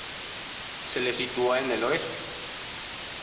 Se le sitúa en el oeste.